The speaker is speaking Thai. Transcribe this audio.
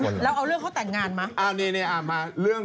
ก่อนหน้านี้ไม่แต่ง